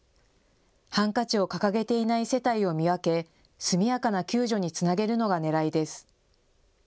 ハンカチを掲げていない世帯を見分け、速やかな救助につなげるのがねらいです。